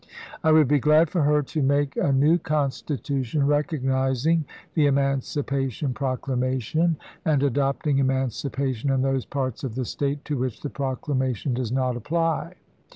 I would be glad for her to make a new Constitution recognizing the emancipation proclama tion, and adopting emancipation in those parts of the State to which the proclamation does not apply.